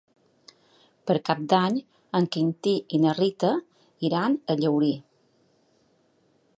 Per Cap d'Any en Quintí i na Rita iran a Llaurí.